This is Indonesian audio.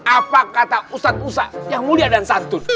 apa kata ustadz ustadz yang mulia dan santun